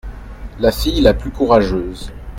La fille la plus courageuse.